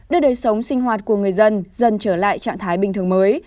đưa đời sống sinh hoạt của người dân dần trở lại trạng thái bình thường mới